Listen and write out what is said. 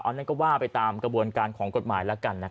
ต้องก็ว่าไปตามกระบวนการของกฎหมายหนึ่งเดือนหนึ่ง